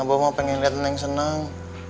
abah mau pengen liat neng senang